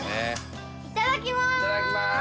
いただきまーす！